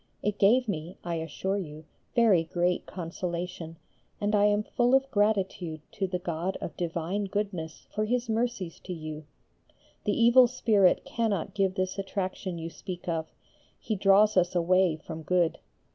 It gave me, I assure you, very great consolation, and I am full of gratitude to the God of divine goodness for His mercies to you. The evil spirit cannot give this attraction you speak of; he draws us away from good.